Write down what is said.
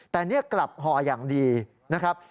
แต่นี่กลับห่ออย่างดีนะครับ